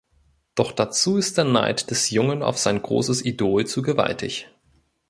Doch dazu ist der Neid des Jungen auf sein großes Idol zu gewaltig.